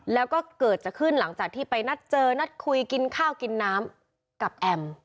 แล้วก็เกิดจะขึ้นหลังจากที่ไปนัดเจอนัดคุยกินข้าวกินน้ำกับแอม